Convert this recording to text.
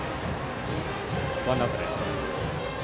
ワンアウトです。